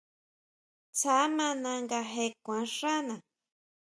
Tsja mana nga je kuan xána.